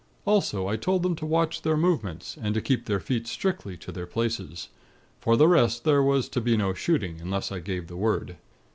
Also, I told them to watch their movements, and to keep their feet strictly to their places. For the rest, there was to be no shooting, unless I gave the word.